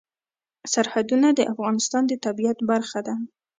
سرحدونه د افغانستان د طبیعت برخه ده.